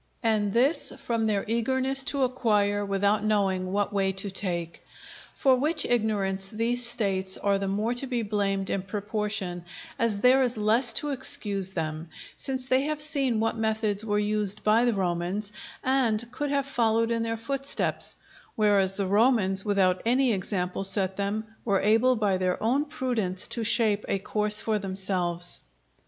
And this from their eagerness to acquire without knowing what way to take. For which ignorance these States are the more to be blamed in proportion as there is less to excuse them; since they had seen what methods were used by the Romans, and could have followed in their footsteps; whereas the Romans, without any example set them, were able by their own prudence to shape a course for themselves.